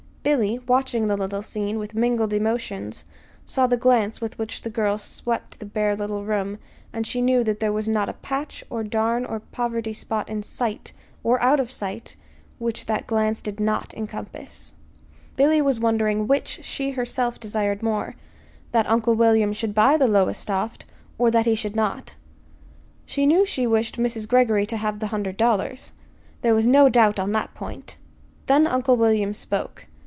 Billy, watching the little scene, with mingled emotions, saw the glance with which the girl swept the bare little room; and she knew that there was not a patch or darn or poverty spot in sight, or out of sight, which that glance did not encompass. Billy was wondering which she herself desired more that Uncle William should buy the Lowestoft, or that he should not. She knew she wished Mrs. Greggory to have the hundred dollars. There was no doubt on that point. Then Uncle William spoke.